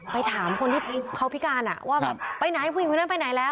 ไปถามคนที่เข้าพิการอ่ะว่าไปไหนผู้หญิงไปไหนแล้ว